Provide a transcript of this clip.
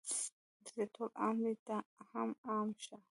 دلته ټول عام دي ته هم عام شه